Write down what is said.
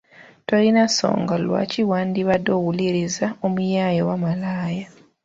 Tolina nsonga lwaki wandibadde owuliriza omuyaaye oba malaaya!